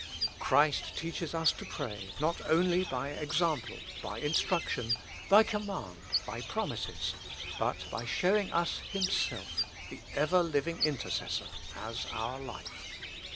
Christ teaches us to pray not only by example, by instruction, by com 5 Preface. mand, by promises, but by shozving us Himself, the ever living Intercessor, as our Life.